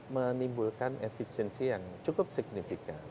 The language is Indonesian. menimbulkan efisiensi yang cukup signifikan